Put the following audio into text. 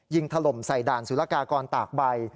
ถล่มใส่ด่านสุรกากรตากใบ